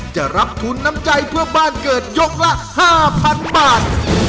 จะรับทุนน้ำใจเพื่อบ้านเกิดยกละ๕๐๐๐บาท